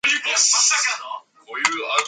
He also pushed for full equality in the workplace.